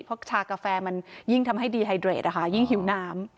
เพราะชากาแฟมันยิ่งทำให้ดีไฮเดรดยิ่งหิวน้ำ